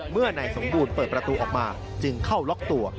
เมื่อนายสมบูรณ์เปิดประตูออกมาจึงเข้าล็อกตัว